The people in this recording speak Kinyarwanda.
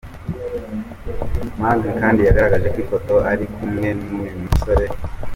Magaly kandi yagaragaje ifoto ari kumwe n’uyu musore